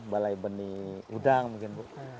balai benih udang mungkin bu